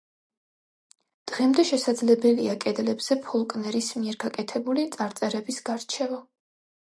დღემდე შესაძლებელია კედლებზე ფოლკნერის მიერ გაკეთებული წარწერების გარჩევა.